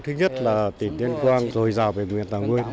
thứ nhất là tỉnh tuyên quang dồi dào về nguyện tạo nguyện